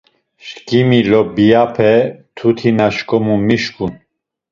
Şǩimi lobiyape mtuti na şǩomu mişǩun.